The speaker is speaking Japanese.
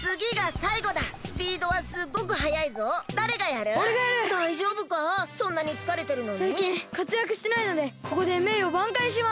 さいきんかつやくしてないのでここでめいよばんかいします！